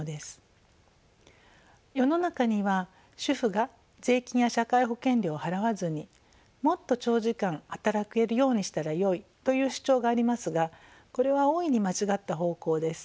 世の中には主婦が税金や社会保険料を払わずにもっと長時間働けるようにしたらよいという主張がありますがこれは大いに間違った方向です。